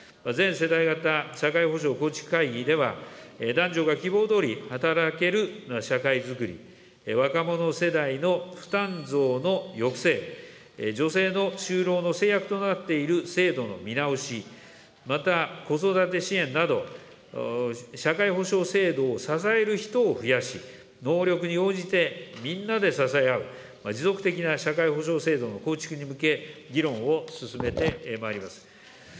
全世代型社会保障構築会議では、男女が希望どおり働ける社会づくり、若者世代の負担増の抑制、女性の就労の制約となっている制度の見直し、また、子育て支援など、社会保障制度を支える人を増やし、能力に応じてみんなで支え合う、持続的な社会保障制度の構築に向け、議論を進めてまいります。